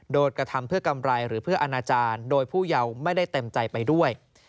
กระทำเพื่อกำไรหรือเพื่ออนาจารย์โดยผู้เยาว์ไม่ได้เต็มใจไปด้วย